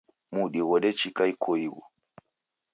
Mudi ghodechika ukoighu.